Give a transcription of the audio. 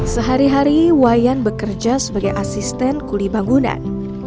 sehari hari wayan bekerja sebagai asisten kuli bangunan